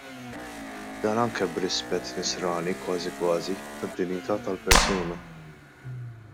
Dan anke b'rispett nisrani kważi kważi, tad-dinjità tal-persuna.